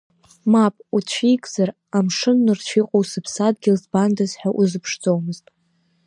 Мап уцәикзар амшыннырцә иҟоу Сыԥсадгьыл збандаз ҳәа узыԥшӡомызт.